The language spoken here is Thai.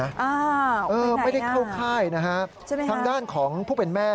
อ้าวไปไหนน่ะใช่ไหมครับทางด้านของผู้เป็นแม่